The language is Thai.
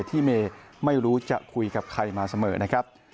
เมย์ไม่รู้จะคุยกับใครมาเสมอนะครับ